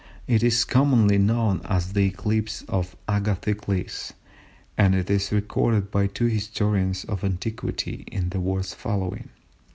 It is commonly known as the "Eclipse of Agathocles," and is recorded by two historians of antiquity in the words following.